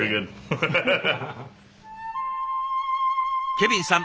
ケビンさん